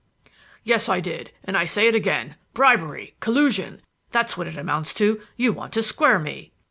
"Yes, I did! And I say it again. Bribery! Collusion! That's what it amounts to. You want to square me!"